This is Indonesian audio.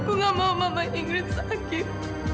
aku gak mau mama ingrid sakit